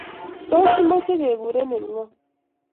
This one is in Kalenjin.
Tos, imache kegureenin ngo?